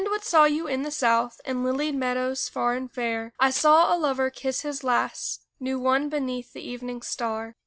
what saw you in the South, In lilied meadows fair and far? I saw a lover kiss his lass New won beneath the evening star.